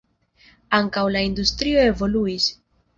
Ankaŭ la industrio evoluis.